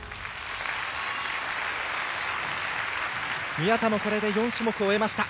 宮田もこれで４種目終えました。